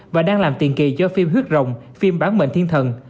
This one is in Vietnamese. và đang làm tiền kỳ cho phim huyết rồng phim bán mệnh thiên thần